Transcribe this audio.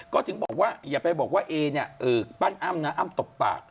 ก็ถึงบอกว่าอย่าไปบอกว่าเอเนี่ยปั้นอ้ำนะอ้ำตบปาก